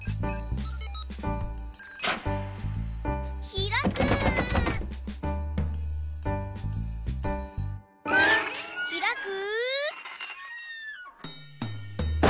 ひらく！